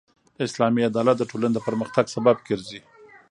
اسلامي عدالت د ټولني د پرمختګ سبب ګرځي.